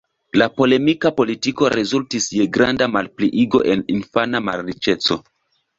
La polemika politiko rezultis je granda malpliigo en infana malriĉeco.